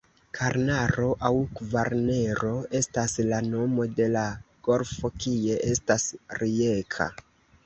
Karnaro aŭ Kvarnero estas la nomo de la golfo kie estas Rijeka.